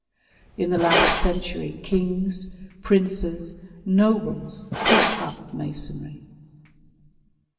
In the last century kings, princes, nobles, took up Masonry.